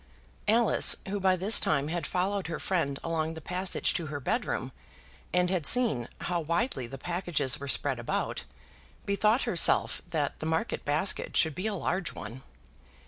Alice, who by this time had followed her friend along the passage to her bedroom, and had seen how widely the packages were spread about, bethought herself that the market basket should be a large one.